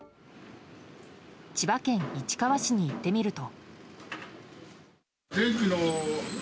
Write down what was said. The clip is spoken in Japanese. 千葉県市川市に行ってみると。